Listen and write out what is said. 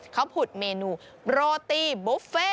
เขาผุดเมนูโปรตี้บุฟเฟ่